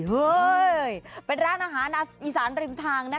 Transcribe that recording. เฮ้ยเป็นร้านอาหารอีสานริมทางนะคะ